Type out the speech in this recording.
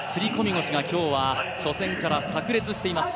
腰が今日は初戦からさく裂しています。